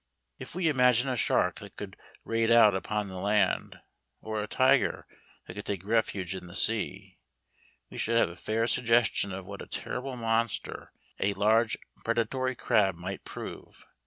If we imagine a shark that could raid out upon the land, or a tiger that could take refuge in the sea, we should have a fair suggestion of what a terrible monster a large predatory crab might prove.